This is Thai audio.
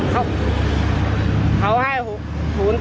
เค้าให้ศูนย์๔